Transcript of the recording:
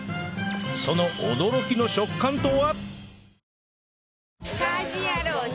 その驚きの食感とは！？